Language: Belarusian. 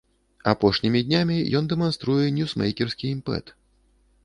Апошнімі днямі ён дэманструе ньюсмэйкерскі імпэт.